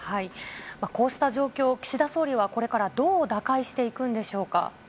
こうした状況を、岸田総理はこれからどう打開していくんでしょうか。